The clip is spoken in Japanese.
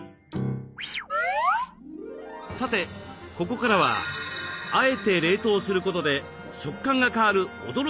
さてここからは「あえて冷凍」することで食感が変わる驚きのレシピをご紹介。